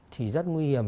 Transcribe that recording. thì rất nguy hiểm